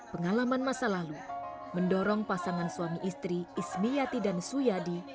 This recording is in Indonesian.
pengalaman masa lalu mendorong pasangan suami istri ismiyati dan suyadi